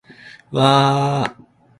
わあーーーーーーーーーー